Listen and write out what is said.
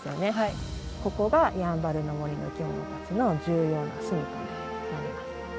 ここがやんばるの森の生き物たちの重要なすみかになります。